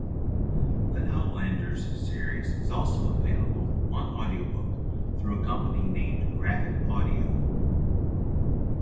The Outlanders series is also available on audiobook, through a company named Graphic Audio.